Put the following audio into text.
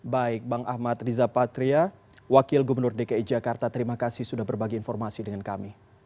baik bang ahmad riza patria wakil gubernur dki jakarta terima kasih sudah berbagi informasi dengan kami